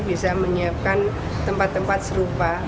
bisa menyiapkan tempat tempat serupa